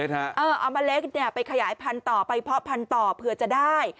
เอาเมล็ดไปขยายพันธุ์ต่อไปเพาะพันธุ์ต่อเผื่อจะได้